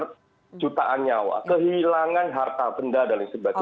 melahirkan kehilangan jutaan nyawa kehilangan harta benda dan sebagainya